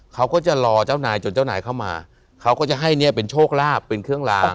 เขาก็จะรอเจ้านายจนเจ้านายเข้ามาเขาก็จะให้เนี่ยเป็นโชคลาภเป็นเครื่องลาง